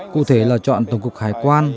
cụ thể là chọn tổng cục khải quan